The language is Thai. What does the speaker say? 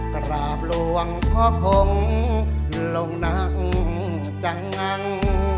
กราบหลวงพ่อคงลงหนังจังงัง